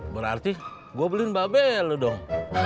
berarti gue beliin mabelo dong